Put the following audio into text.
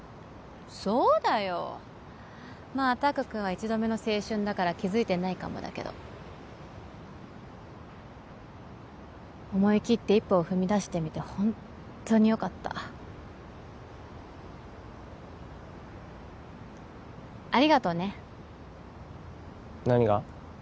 そうだよまあ拓くんは一度目の青春だから気づいてないかもだけど思い切って一歩を踏み出してみてホントによかったありがとね何が？